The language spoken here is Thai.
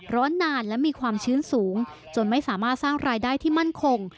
ร้อนนานและมีความชื้นสูงจนไม่สามารถสร้างรายได้ที่มั่นคง